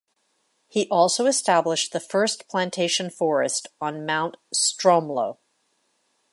He also established the first plantation forest on Mount Stromlo.